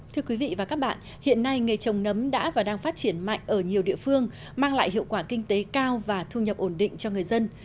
thưa quý vị và các bạn hiện nay nghề trồng nấm đã và đang phát triển mạnh ở nhiều địa phương mang lại hiệu quả kinh tế cao và thu nhập ổn định cho người dân